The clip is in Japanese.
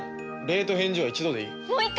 礼と返事は一度でいい。